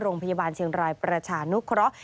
โรงพยาบาลเชียงรายประชานุเคราะห์